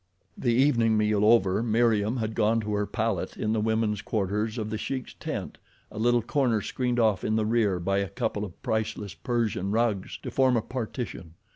The evening meal over Meriem had gone to her pallet in the women's quarters of The Sheik's tent, a little corner screened off in the rear by a couple of priceless Persian rugs to form a partition.